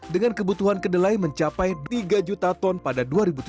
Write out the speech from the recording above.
dengan kebutuhan kedelai mencapai tiga juta ton pada dua ribu tujuh belas